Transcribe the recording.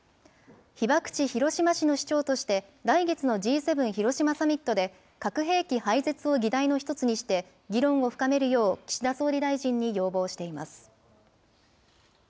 被爆地、広島市の市長として、来月のＧ７広島サミットで、核兵器廃絶を議題の一つにして議論を深めるよう、岸田総理大臣に要望しています。